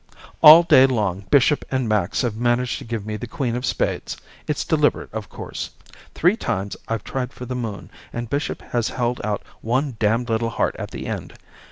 All day long Bishop and Max have managed to give me the queen of spades. It's deliberate, of course. Three times I've tried for the moon and Bishop has held out one damned little heart at the end.